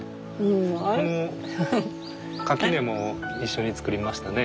その垣根も一緒に作りましたね。